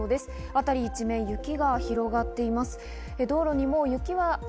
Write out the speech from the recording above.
辺り一面雪が広がっています。